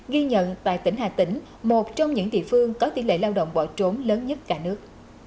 ghi nhận tại tỉnh hà tĩnh một trong những địa phương có tỷ lệ lao động bỏ trốn lớn nhất cả nước